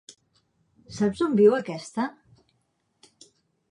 Saps on viu aquesta??